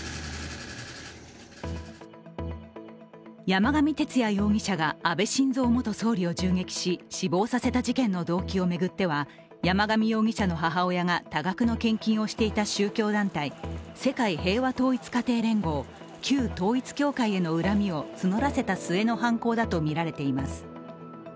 山上徹也容疑者が安倍晋三元総理を銃撃し死亡させた事件の動機を巡っては山上容疑者の母親が多額の献金をしていた宗教団体、世界平和統一家庭連合＝旧統一教会への恨みを募らせた末の犯行だとみられています。